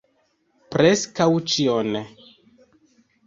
Preskaŭ ĉion.